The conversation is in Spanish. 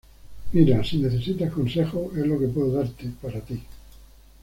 mira, si necesitas consejos, es lo que puedo darte, para ti.